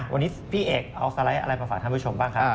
วันนี้พี่เอกเอาสไลด์อะไรมาฝากท่านผู้ชมบ้างครับ